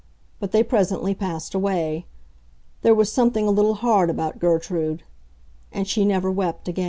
But they presently passed away. There was something a little hard about Gertrude; and she never wept again.